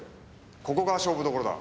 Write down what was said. ここが勝負どころだ。